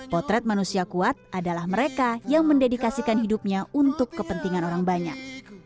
potret manusia kuat adalah mereka yang mendedikasikan hidupnya untuk kepentingan orang banyak